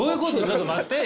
ちょっと待って。